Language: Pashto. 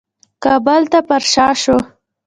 کابل ته پرشا شو.